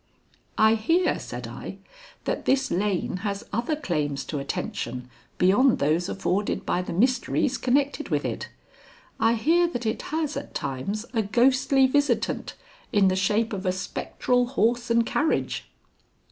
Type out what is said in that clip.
"I hear," said I, "that this lane has other claims to attention beyond those afforded by the mysteries connected with it. I hear that it has at times a ghostly visitant in the shape of a spectral horse and carriage."